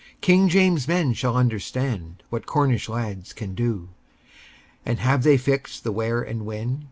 King James's men shall understand What Cornish lads can do! And have they fixed the where and when?